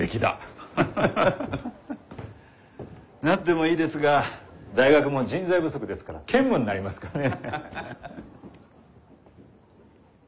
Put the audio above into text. なってもいいですが大学も人材不足ですから兼務になりますかね。